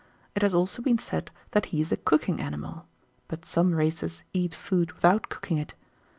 It has also been said that he is a cooking animal; but some races eat food without cooking it.